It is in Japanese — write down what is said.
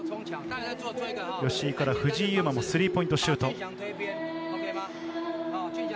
吉井から藤井祐眞もスリーポイントシュート。